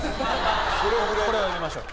これはやめましょう。